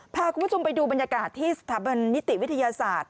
พาคุณผู้ชมไปดูบรรยากาศที่สถาบันนิติวิทยาศาสตร์